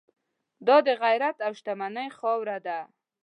دا د غیرت او شتمنۍ خاوره ده.